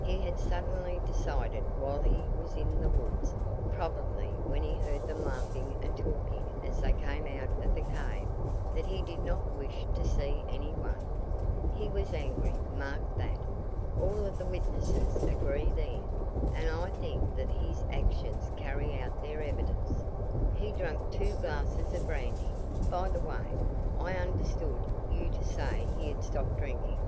He had suddenly decided while he was in the woods probably when he heard them laughing and talking as they came out of the cave that he did not wish to see anyone. He was angry mark that. All of the witnesses agree there, and I think that his actions carry out their evidence. He drank two glasses of brandy by the way, I understood you to say he had stopped drinking.